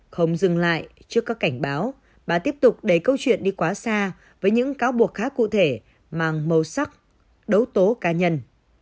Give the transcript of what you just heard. không dừng lại trước các cảnh báo bà tiếp tục đẩy câu chuyện đi quá xa với những cáo buộc khá cụ thể mang màu sắc đấu tố cá nhân